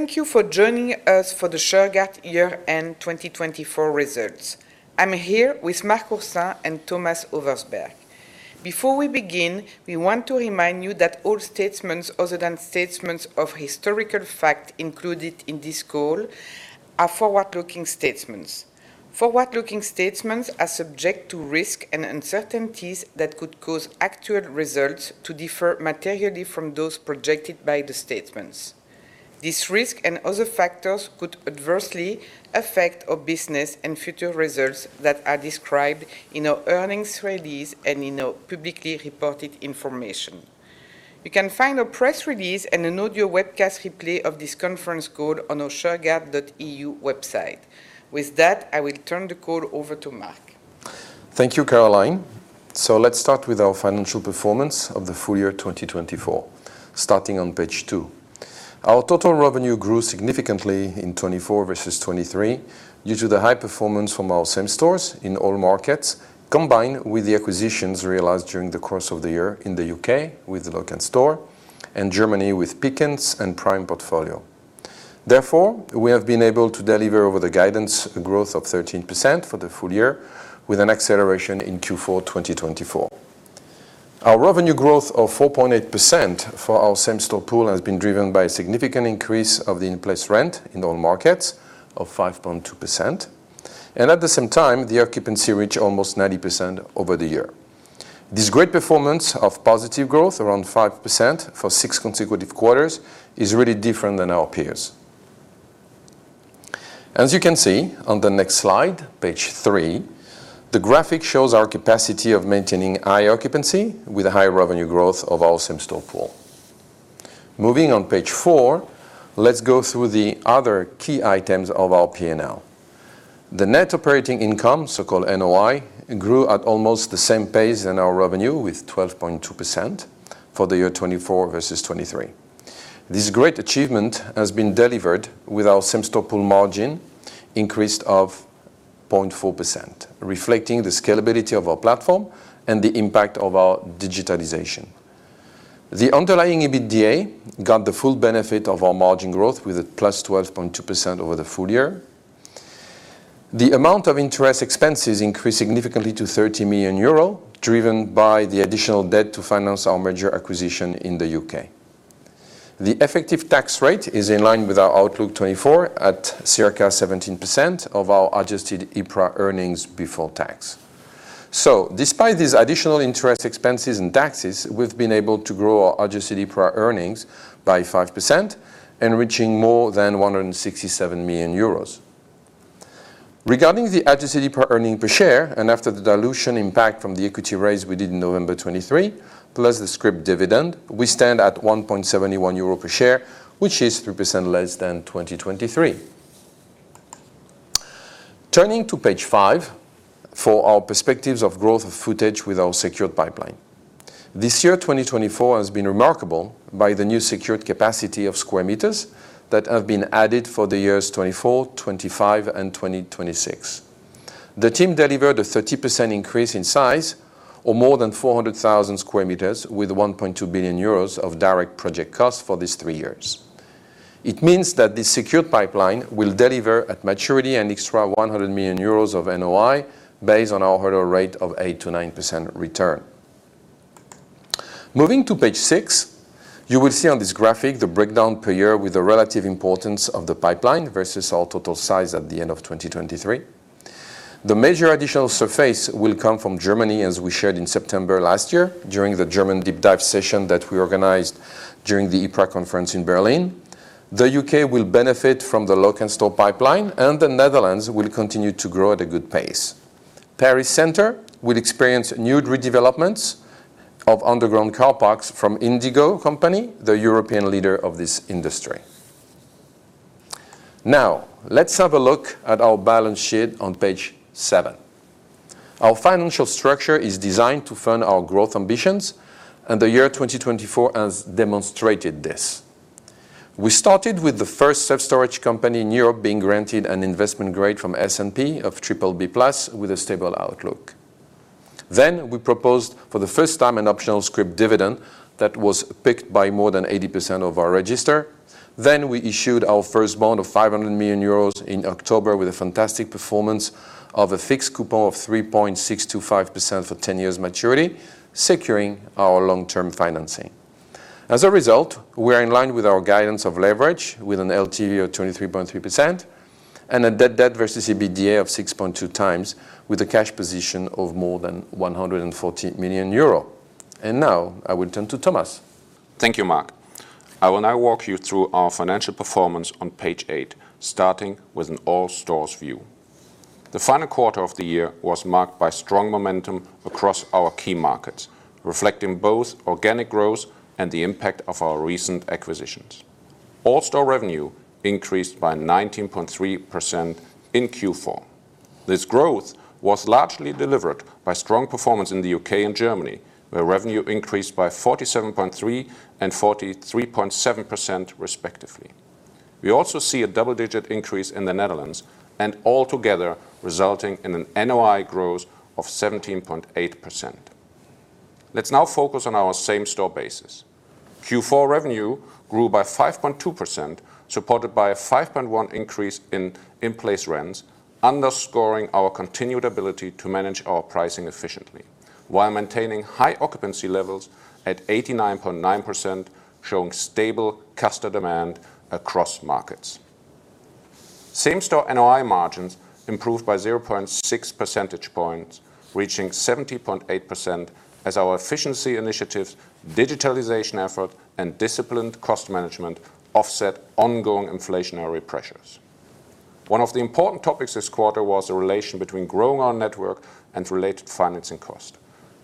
Thank you for joining us for the Shurgard Year-End 2024 Results. I'm here with Marc Oursin and Thomas Oversberg. Before we begin, we want to remind you that all statements, other than statements of historical fact, included in this call, are forward-looking statements. Forward-looking statements are subject to risks and uncertainties that could cause actual results to differ materially from those projected by the statements. These risks and other factors could adversely affect our business and future results that are described in our earnings release and in our publicly reported information. You can find a press release and an audio webcast replay of this conference call on our shurgard.eu website. With that, I will turn the call over to Marc. Thank you, Caroline. So let's start with our financial performance of the full year 2024, starting on page two. Our total revenue grew significantly in 2024 versus 2023 due to the high performance from our same stores in all markets, combined with the acquisitions realized during the course of the year in the U.K. with the Lok'nStore and Germany with Pickens and Prime Portfolio. Therefore, we have been able to deliver over the guidance a growth of 13% for the full year, with an acceleration in Q4 2024. Our revenue growth of 4.8% for our same store pool has been driven by a significant increase of the in-place rent in all markets of 5.2%. And at the same time, the occupancy reached almost 90% over the year. This great performance of positive growth, around 5% for six consecutive quarters, is really different than our peers. As you can see on the next slide, page three, the graphic shows our capacity of maintaining high occupancy with a high revenue growth of our same store pool. Moving on page four, let's go through the other key items of our P&L. The net operating income, so-called NOI, grew at almost the same pace than our revenue, with 12.2% for the year 2024 versus 2023. This great achievement has been delivered with our same store pool margin increased of 0.4%, reflecting the scalability of our platform and the impact of our digitalization. The underlying EBITDA got the full benefit of our margin growth, with a +12.2% over the full year. The amount of interest expenses increased significantly to 30 million euro, driven by the additional debt to finance our major acquisition in the U.K. The effective tax rate is in line with our Outlook 2024 at circa 17% of our adjusted EPRA earnings before tax. So despite these additional interest expenses and taxes, we've been able to grow our adjusted EPRA earnings by 5%, reaching more than 167 million euros. Regarding the adjusted EPRA earning per share, and after the dilution impact from the equity raise we did in November 2023, plus the Scrip dividend, we stand at 1.71 euro per share, which is 3% less than 2023. Turning to page five for our prospects for growth in footprint with our secured pipeline. This year, 2024, has been marked by the new secured capacity of square meters that have been added for the years 2024, 2025, and 2026. The team delivered a 30% increase in size of more than 400,000 sqm with 1.2 billion euros of direct project costs for these three years. It means that this secured pipeline will deliver at maturity an extra 100 million euros of NOI based on our hurdle rate of 8%-9% return. Moving to page six, you will see on this graphic the breakdown per year with the relative importance of the pipeline versus our total size at the end of 2023. The major additional surface will come from Germany, as we shared in September last year during the German deep dive session that we organized during the EPRA conference in Berlin. The U.K. will benefit from the Lok'nStore pipeline, and the Netherlands will continue to grow at a good pace. Paris Centre will experience new redevelopments of underground car parks from Indigo Group, the European leader of this industry. Now, let's have a look at our balance sheet on page seven. Our financial structure is designed to fund our growth ambitions, and the year 2024 has demonstrated this. We started with the first self-storage company in Europe being granted an investment grade from S&P of BBB+ with a stable outlook. Then we proposed for the first time an optional scrip dividend that was picked by more than 80% of our register. Then we issued our first bond of 500 million euros in October with a fantastic performance of a fixed coupon of 3.625% for 10 years maturity, securing our long-term financing. As a result, we are in line with our guidance of leverage with an LTV of 23.3% and a net debt to EBITDA of 6.2x with a cash position of more than 140 million euro, and now I will turn to Thomas. Thank you, Marc. I will now walk you through our financial performance on page eight, starting with an all-stores view. The final quarter of the year was marked by strong momentum across our key markets, reflecting both organic growth and the impact of our recent acquisitions. All-store revenue increased by 19.3% in Q4. This growth was largely delivered by strong performance in the U.K. and Germany, where revenue increased by 47.3% and 43.7%, respectively. We also see a double-digit increase in the Netherlands, and altogether resulting in an NOI growth of 17.8%. Let's now focus on our same store basis. Q4 revenue grew by 5.2%, supported by a 5.1% increase in in-place rents, underscoring our continued ability to manage our pricing efficiently while maintaining high occupancy levels at 89.9%, showing stable customer demand across markets. Same store NOI margins improved by 0.6 percentage points, reaching 70.8% as our efficiency initiatives, digitalization effort, and disciplined cost management offset ongoing inflationary pressures. One of the important topics this quarter was the relation between growing our network and related financing costs.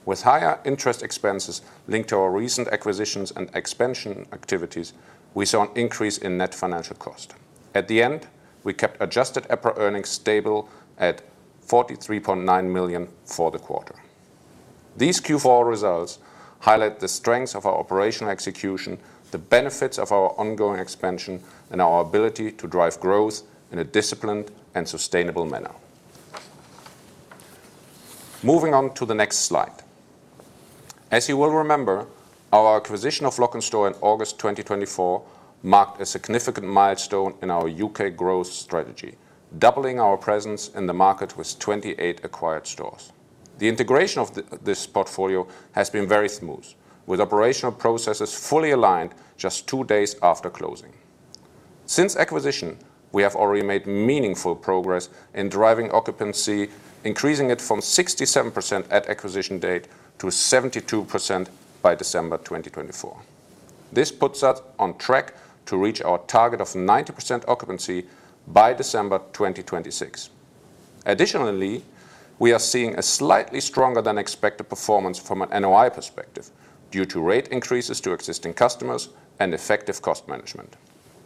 With higher interest expenses linked to our recent acquisitions and expansion activities, we saw an increase in net financial cost. At the end, we kept adjusted EPRA earnings stable at 43.9 million for the quarter. These Q4 results highlight the strengths of our operational execution, the benefits of our ongoing expansion, and our ability to drive growth in a disciplined and sustainable manner. Moving on to the next slide. As you will remember, our acquisition of Lok'nStore in August 2024 marked a significant milestone in our U.K. growth strategy, doubling our presence in the market with 28 acquired stores. The integration of this portfolio has been very smooth, with operational processes fully aligned just two days after closing. Since acquisition, we have already made meaningful progress in driving occupancy, increasing it from 67% at acquisition date to 72% by December 2024. This puts us on track to reach our target of 90% occupancy by December 2026. Additionally, we are seeing a slightly stronger-than-expected performance from an NOI perspective due to rate increases to existing customers and effective cost management.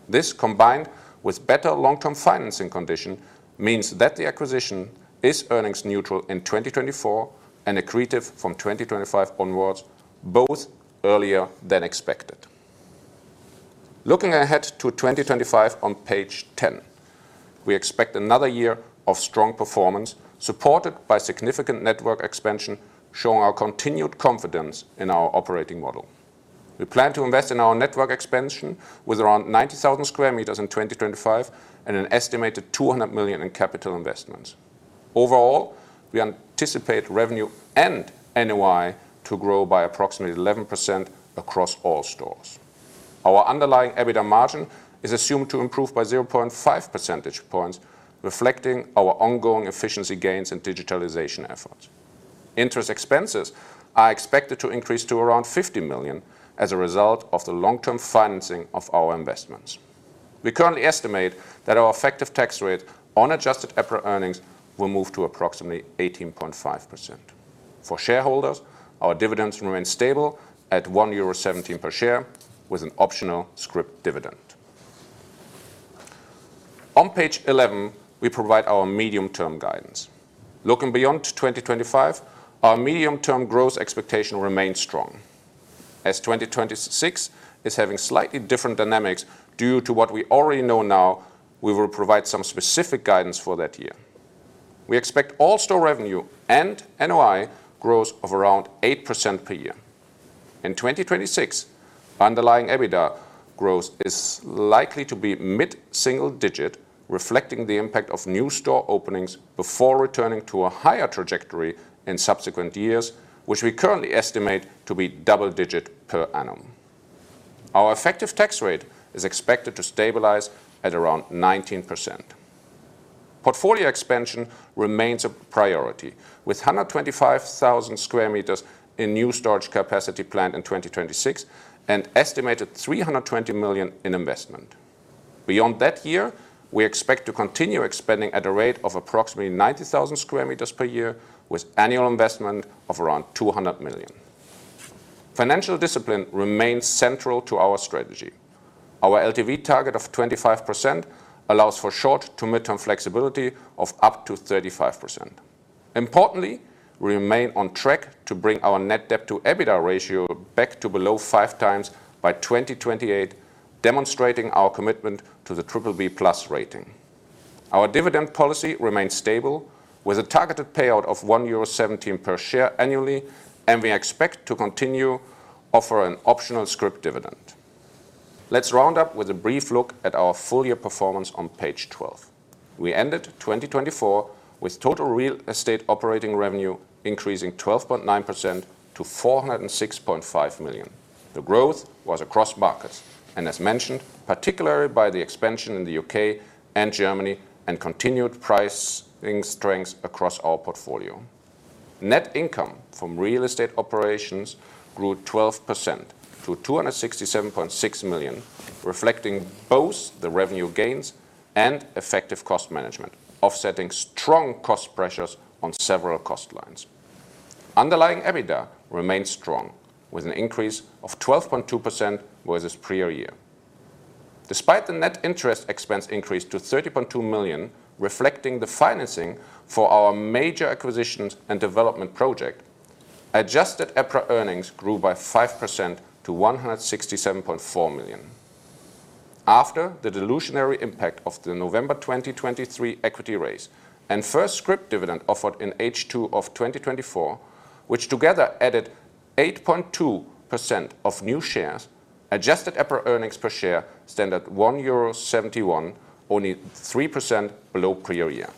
This, combined with better long-term financing conditions, means that the acquisition is earnings-neutral in 2024 and accretive from 2025 onwards, both earlier than expected. Looking ahead to 2025 on page 10, we expect another year of strong performance supported by significant network expansion, showing our continued confidence in our operating model. We plan to invest in our network expansion with around 90,000 sqm in 2025 and an estimated 200 million in capital investments. Overall, we anticipate revenue and NOI to grow by approximately 11% across all stores. Our underlying EBITDA margin is assumed to improve by 0.5 percentage points, reflecting our ongoing efficiency gains and digitalization efforts. Interest expenses are expected to increase to around 50 million as a result of the long-term financing of our investments. We currently estimate that our effective tax rate on adjusted EPRA earnings will move to approximately 18.5%. For shareholders, our dividends remain stable at 1.17 euro per share with an optional Scrip dividend. On page 11, we provide our medium-term guidance. Looking beyond 2025, our medium-term growth expectation remains strong. As 2026 is having slightly different dynamics due to what we already know now, we will provide some specific guidance for that year. We expect all-store revenue and NOI growth of around 8% per year. In 2026, underlying EBITDA growth is likely to be mid-single digit, reflecting the impact of new store openings before returning to a higher trajectory in subsequent years, which we currently estimate to be double-digit per annum. Our effective tax rate is expected to stabilize at around 19%. Portfolio expansion remains a priority, with 125,000 sqm in new storage capacity planned in 2026 and estimated 320 million in investment. Beyond that year, we expect to continue expanding at a rate of approximately 90,000 sqm per year, with annual investment of around 200 million. Financial discipline remains central to our strategy. Our LTV target of 25% allows for short to mid-term flexibility of up to 35%. Importantly, we remain on track to bring our net debt-to-EBITDA ratio back to below five times by 2028, demonstrating our commitment to the BBB+ rating. Our dividend policy remains stable, with a targeted payout of 1.17 euro per share annually, and we expect to continue to offer an optional scrip dividend. Let's round up with a brief look at our full year performance on page 12. We ended 2024 with total real estate operating revenue increasing 12.9% to 406.5 million. The growth was across markets and, as mentioned, particularly by the expansion in the U.K. and Germany and continued pricing strength across our portfolio. Net income from real estate operations grew 12% to 267.6 million, reflecting both the revenue gains and effective cost management, offsetting strong cost pressures on several cost lines. Underlying EBITDA remains strong, with an increase of 12.2% versus prior year. Despite the net interest expense increase to 30.2 million, reflecting the financing for our major acquisitions and development project, adjusted EPRA earnings grew by 5% to 167.4 million. After the dilutionary impact of the November 2023 equity raise and first scrip dividend offered in H2 of 2024, which together added 8.2% of new shares, adjusted EPRA earnings per share stand at 1.71 euro, only 3% below prior year.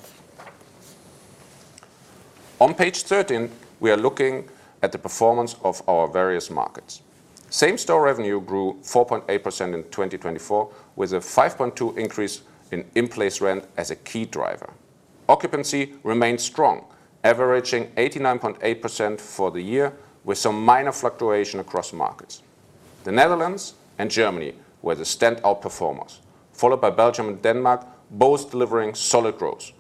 On page 13, we are looking at the performance of our various markets. Same store revenue grew 4.8% in 2024, with a 5.2% increase in in-place rent as a key driver. Occupancy remained strong, averaging 89.8% for the year, with some minor fluctuation across markets. The Netherlands and Germany were the standout performers, followed by Belgium and Denmark, both delivering solid growth.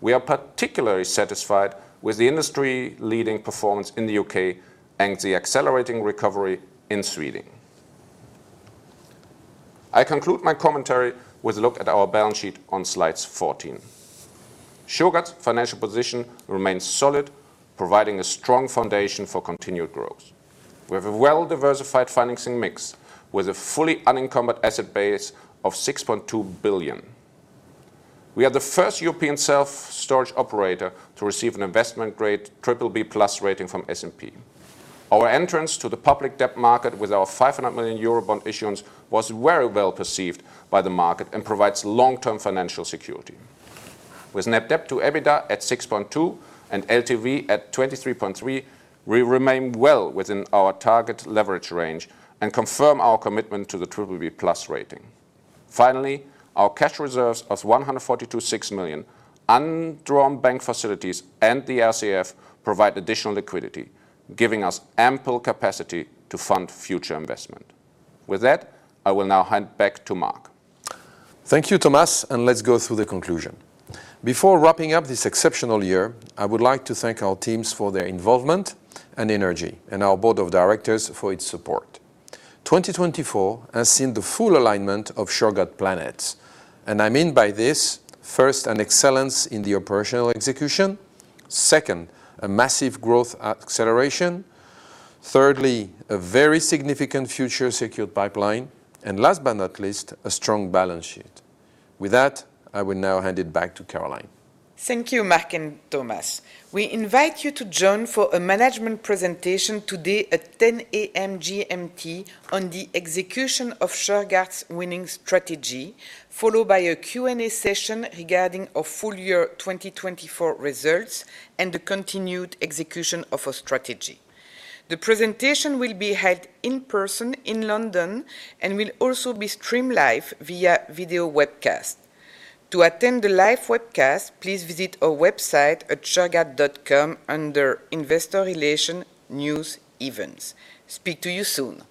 We are particularly satisfied with the industry-leading performance in the UK and the accelerating recovery in Sweden. I conclude my commentary with a look at our balance sheet on slide 14. Shurgard's financial position remains solid, providing a strong foundation for continued growth. We have a well-diversified financing mix with a fully unencumbered asset base of 6.2 billion. We are the first European self-storage operator to receive an investment-grade BBB+ rating from S&P. Our entrance to the public debt market with our 500 million euro bond issuance was very well perceived by the market and provides long-term financial security. With net debt-to-EBITDA at 6.2% and LTV at 23.3%, we remain well within our target leverage range and confirm our commitment to the BBB+ rating. Finally, our cash reserves of 142.6 million, undrawn bank facilities, and the RCF provide additional liquidity, giving us ample capacity to fund future investment. With that, I will now hand back to Marc. Thank you, Thomas, and let's go through the conclusion. Before wrapping up this exceptional year, I would like to thank our teams for their involvement and energy, and our Board of Directors for its support. 2024 has seen the full alignment of Shurgard presence, and I mean by this, first, an excellence in the operational execution, second, a massive growth acceleration, thirdly, a very significant future secured pipeline, and last but not least, a strong balance sheet. With that, I will now hand it back to Caroline. Thank you, Marc and Thomas. We invite you to join for a management presentation today at 10:00 A.M. GMT on the execution of Shurgard's winning strategy, followed by a Q&A session regarding our full year 2024 results and the continued execution of our strategy. The presentation will be held in person in London and will also be streamed live via video webcast. To attend the live webcast, please visit our website at shurgard.com under Investor Relations News Events. Speak to you soon.